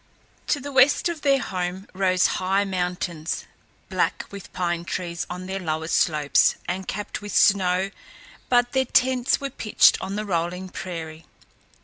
To the west of their home rose high mountains, black with pine trees on their lower slopes and capped with snow, but their tents were pitched on the rolling prairie.